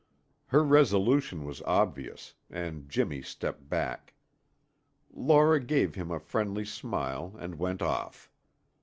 Her resolution was obvious, and Jimmy stepped back. Laura gave him a friendly smile and went off.